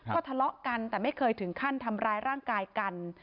ก็ทะเลาะกันแต่ไม่เคยถึงขั้นทำร้ายร่างกายกัน